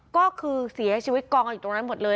ก็คือเสียชีวิตกองกันอยู่ตรงนั้นหมดเลย